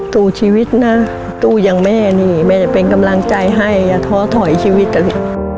สู้ชีวิตนะสู้อย่างแม่นี่แม่จะเป็นกำลังใจให้อย่าท้อถอยชีวิตกัน